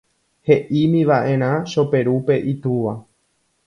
He'ímiva'erã Choperúpe itúva.